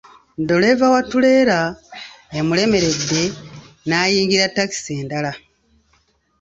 Ddereeva wa ttuleera emulemeredde n'ayingira takisi endala.